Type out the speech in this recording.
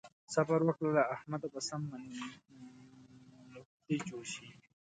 صبر وکړه؛ له احمده به سم مفتي جوړ شي.